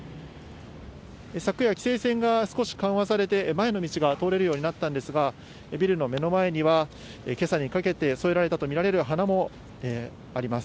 昨夜、規制線が少し緩和されて、前の道が通れるようになったんですが、ビルの目の前にはけさにかけて添えられたと見られる花もあります。